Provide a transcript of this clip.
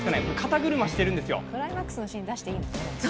クライマックスのシーン、出していいの？